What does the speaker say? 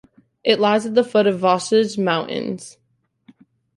It lies at the foot of the Vosges Mountains.